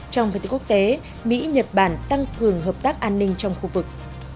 trong vận tích quốc tế mỹ nhật bản tăng thường hợp tác an ninh trong khu vực